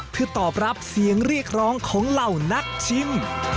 เพื่อตอบรับเสียงเรียกร้องของเหล่านักชิม